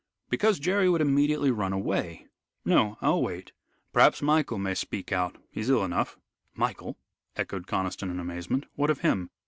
"Because Jerry would immediately run away. No, I'll wait. Perhaps Michael may speak out. He's ill enough." "Michael?" echoed Conniston in amazement. "What of him?"